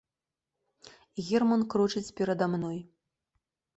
Герман крочыць перада мной.